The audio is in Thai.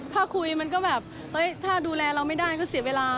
ถ้าคุยมันก็แบบเฮ้ยถ้าดูแลเราไม่ได้ก็เสียเวลา